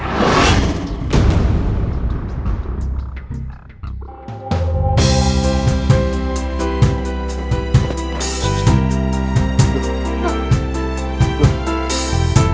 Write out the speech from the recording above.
untuk selama lama